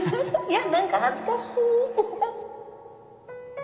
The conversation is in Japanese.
やだ何か恥ずかしい